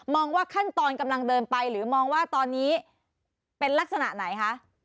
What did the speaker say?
ว่าขั้นตอนกำลังเดินไปหรือมองว่าตอนนี้เป็นลักษณะไหนคะ